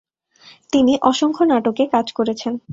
তিনি অসংখ্য নাটকে কাজ করেছেন।